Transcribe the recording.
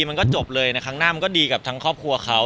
มันก็จบเลยในครั้งหน้ามันก็ดีกับทั้งครอบครัวเขา